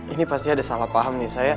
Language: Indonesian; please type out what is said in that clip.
ini pasti ada salah paham nih saya